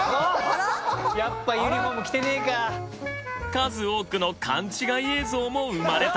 数多くの勘違い映像も生まれた。